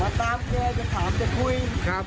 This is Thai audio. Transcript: ไม่ยอมคุย